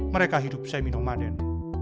mereka hidup semi nomaden